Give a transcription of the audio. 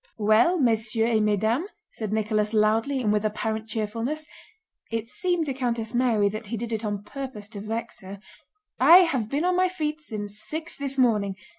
"Well, messieurs et mesdames," said Nicholas loudly and with apparent cheerfulness (it seemed to Countess Mary that he did it on purpose to vex her), "I have been on my feet since six this morning.